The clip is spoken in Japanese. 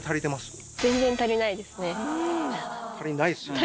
足りないっすよね？